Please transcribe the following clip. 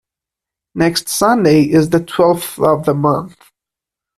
Next Sunday is the twelfth of the month.